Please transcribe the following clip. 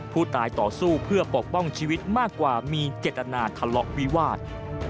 ต่อสู้เพื่อปกป้องชีวิตมากกว่ามีเจตนาทะเลาะวิวาส